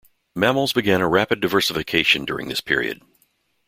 Mammals began a rapid diversification during this period.